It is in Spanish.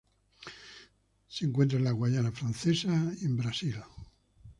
Se encuentra en la Guayana Francesa y Brasil.